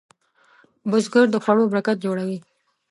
بزګر د خوړو برکت جوړوي